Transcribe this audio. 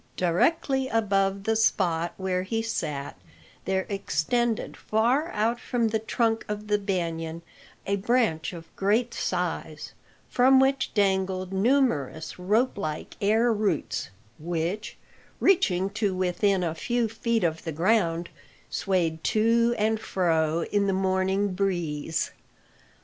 Directly above the spot where he sat there extended far out from the trunk of the banyan a branch of great size, from which dangled numerous rope like air roots, which, reaching to within a few feet of the ground, swayed to and fro in the morning breeze.